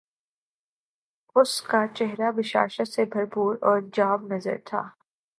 اس کا چہرہ بشاشت سے بھر پور اور جاب نظر تھا